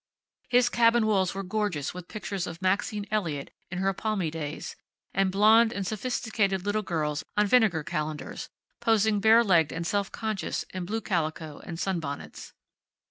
His cabin walls were gorgeous with pictures of Maxine Elliott in her palmy days, and blonde and sophisticated little girls on vinegar calendars, posing bare legged and self conscious in blue calico and sunbonnets.